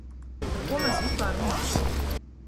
Par ko mēs vispār runājam?